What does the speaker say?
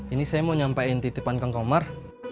ini saya mau nyampein titipan kang komar